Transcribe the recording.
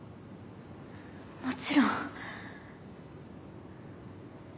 もちろん。